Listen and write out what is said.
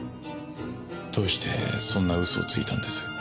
どうしてそんな嘘をついたんです？